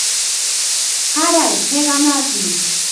Saraqa hiqanaqmi.